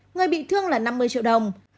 người bị thương là năm mươi triệu đồng